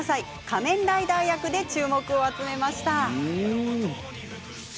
仮面ライダー役で注目を集めました。